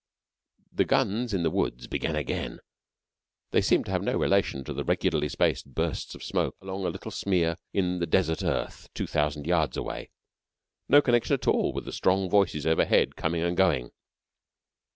The guns in the woods began again. They seemed to have no relation to the regularly spaced bursts of smoke along a little smear in the desert earth two thousand yards away no connection at all with the strong voices overhead coming and going.